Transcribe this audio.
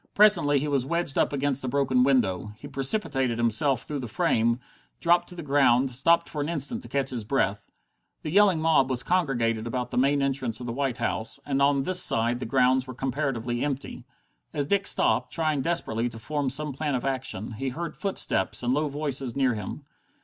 Presently he was wedged up against a broken window. He precipitated himself through the frame, dropped to the ground, stopped for an instant to catch breath. The yelling mob was congregated about the main entrance of the White House, and on this side the grounds were comparatively empty. As Dick stopped, trying desperately to form some plan of action, he heard footsteps and low voices near him.